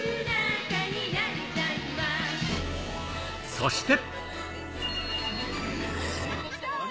そして。